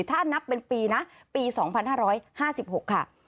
ถ้านับเป็นปีนะปี๒๕๕๖ค่ะ